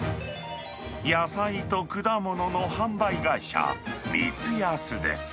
野菜と果物の販売会社、光泰です。